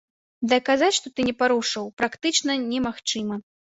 Даказаць, што ты не парушаў, практычна немагчыма.